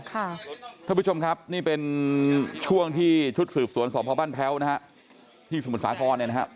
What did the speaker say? ทุกผู้ชมครับนี่เป็นช่วงที่ชุดสืบสวนสพแพ้วที่สมุทรสาคร